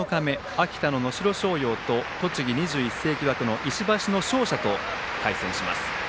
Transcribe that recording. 秋田の能代松陽と栃木の２１世紀枠石橋の勝者と対戦します。